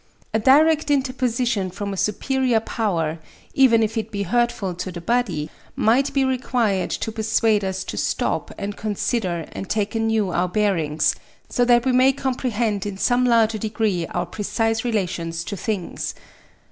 A direct interposition from a Superior Power, even if it be hurtful to the body, might be required to persuade us to stop and consider and take anew our bearings, so that we may comprehend in some larger degree our precise relations to things.